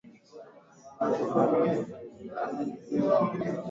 eneo hili likaachia na kutokea shimo kubwa